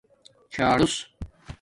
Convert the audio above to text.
چُھݸرس